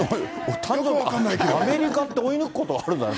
誕生日、アメリカって追い抜くことあるんだね。